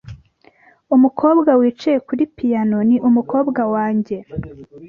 Umukobwa wicaye kuri piyano ni umukobwa wanjye.